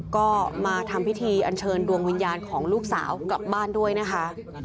ก็มาทำพิธีอันเชิญดวงวิญญาณของลูกสาวกลับบ้านด้วยนะคะ